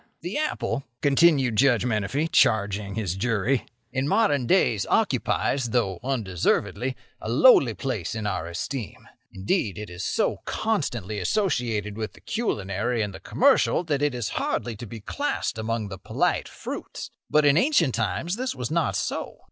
"The apple," continued Judge Menefee, charging his jury, "in modern days occupies, though undeservedly, a lowly place in our esteem. Indeed, it is so constantly associated with the culinary and the commercial that it is hardly to be classed among the polite fruits. But in ancient times this was not so.